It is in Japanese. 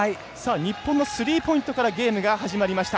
日本のスリーポイントからゲームが始まりました。